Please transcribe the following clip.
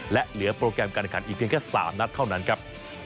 และเหลือโปรแกรมการแข่งขันอีกเพียงแค่๓นัดเท่านั้นครับ